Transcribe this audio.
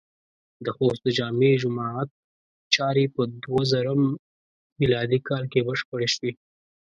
د خوست د جامع جماعت چارې په دوهزرم م کال کې بشپړې شوې.